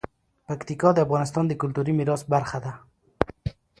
پکتیکا د افغانستان د کلتوري میراث برخه ده.